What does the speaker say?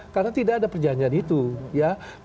karena tidak ada perjanjian itu ya